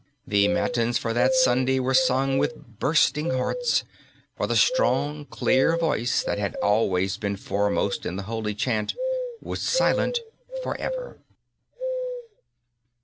The matins for that Sunday were sung with bursting hearts, for the strong clear voice that had always been foremost in the holy chant was silent for ever